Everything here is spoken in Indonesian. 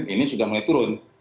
ini sudah mulai turun